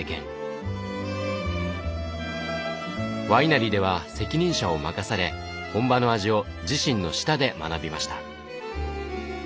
ワイナリーでは責任者を任され本場の味を自身の舌で学びました。